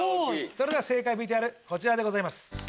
それでは正解ＶＴＲこちらでございます。